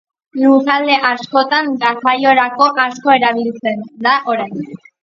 Lurralde askotan garraiorako asko erabiltzen da oraindik.